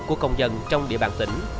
của công dân trong địa bàn tỉnh